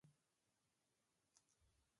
د فزیکي اړخه ډېر کمزوري وي.